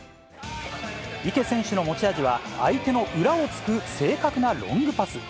池選手の持ち味は、相手の裏をつく正確なロングパス。